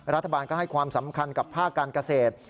รัฐบาลก็ให้ความสำคัญกับภาคการเกษตร